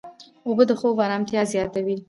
اوبه د خوب ارامتیا زیاتوي.